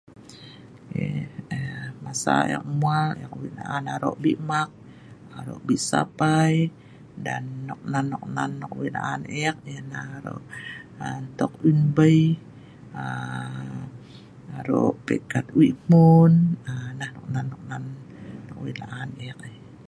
eei masa ek mwal ek weik la'an arok bi mak arok bi sapai ngan dan nok nan nok nan weik la'an ek ialah ntong umbei aa arok peikat weik hmun nah nok nan nok na weik la'an ek